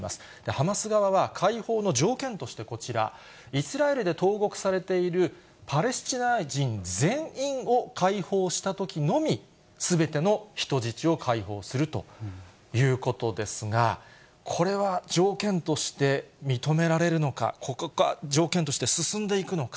ハマス側は解放の条件として、こちら、イスラエルで投獄されているパレスチナ人全員を解放したときのみ、すべての人質を解放するということですが、これは条件として認められるのか、ここが条件として進んでいくのか。